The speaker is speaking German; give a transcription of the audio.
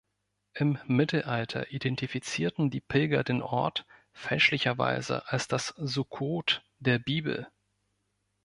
Im Mittelalter identifizierten die Pilger den Ort fälschlicherweise als das Sukkot der Bibel.